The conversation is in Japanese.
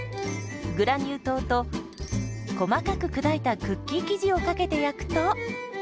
グラニュー糖と細かく砕いたクッキー生地をかけて焼くと。